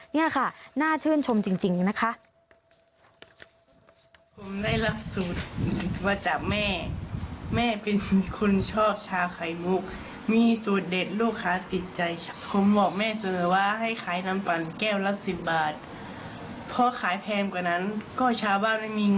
นี่ค่ะน่าชื่นชมจริงนะคะ